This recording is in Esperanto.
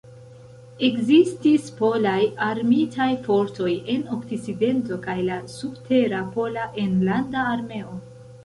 Ekzistis Polaj Armitaj Fortoj en Okcidento kaj la subtera Pola Enlanda Armeo.